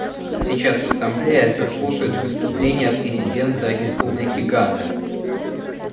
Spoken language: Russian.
Сейчас Ассамблея заслушает выступление президента Республики Гана.